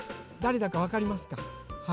だれだかわかりますか？